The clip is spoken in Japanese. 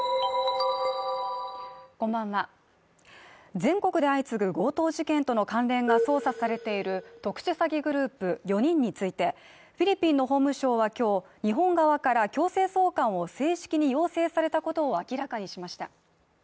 全国で相次ぐ強盗事件との関連か捜査されている特殊詐欺グループ４人について、フィリピンの法務省は今日、日本側から強制送還を正式に要請されたことを明らかにしました。